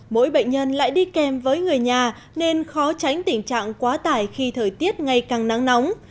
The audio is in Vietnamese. mỗi bệnh nhân lại đi kèm với người nhà nên khó tránh tình trạng quá tải khi thời tiết ngày càng nắng nóng